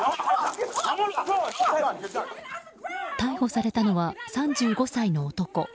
逮捕されたのは３５歳の男。